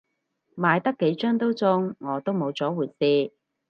買得幾張都中，我都冇咗回事